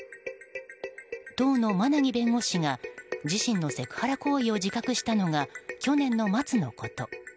当の馬奈木弁護士が自身のセクハラ行為を自覚したのが去年の末のこと。